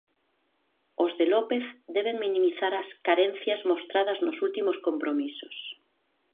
Os de López deben minimizar as carencias mostradas nos últimos compromisos.